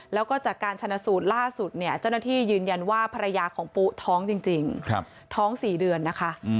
แล้วก็จากการชนะสูตรล่าสุดเนี่ยเจ้าหน้าที่ยืนยันว่าภรรยาของปุ๊ท้องจริงท้อง๔เดือนนะคะ